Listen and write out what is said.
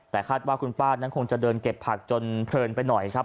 แต่คาดว่าคุณป้านั้นคงจะเดินเก็บผักจนเพลินไปหน่อยครับ